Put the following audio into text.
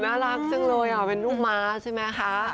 น่ารักจังเลยเหมือนผู้นูกม้าใช่ไหมคะ